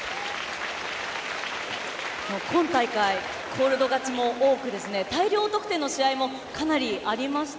今大会コールド勝ちも多くて大量得点の試合もありました。